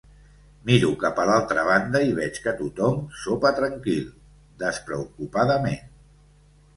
Miro cap a l'altra banda i veig que tothom sopa tranquil, despreocupadament.